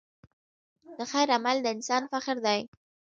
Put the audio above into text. د خیر عمل د انسان فخر دی.